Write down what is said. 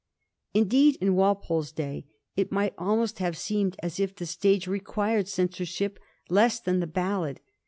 Indeed in Walpole's day it might almost have seemed as if the stage required censorship less than the ballad.